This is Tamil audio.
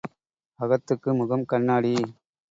அகத்துக்கு முகம் கண்ணாடி.